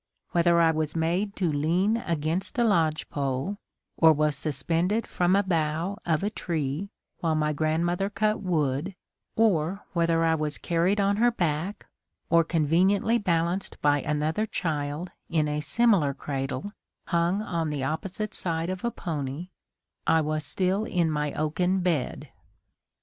Whether I was made to lean against a lodge pole or was suspended from a bough of a tree, while my grandmother cut wood, or whether I was carried on her back, or conveniently balanced by another child in a similar cradle hung on the opposite side of a pony, I was still in my oaken bed.